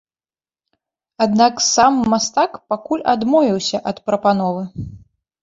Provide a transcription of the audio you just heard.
Аднак сам мастак пакуль адмовіўся ад прапановы.